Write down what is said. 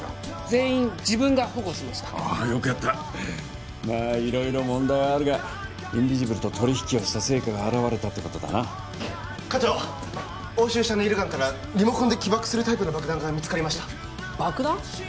全員自分が保護しましたああよくやったまあ色々問題はあるがインビジブルと取り引きをした成果が表れたってことだな課長押収したネイルガンからリモコンで起爆するタイプの爆弾が見つかりました爆弾？